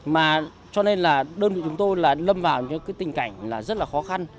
mà cho nên là đơn vị chúng tôi là lâm vào những cái tình cảnh là rất là khó khăn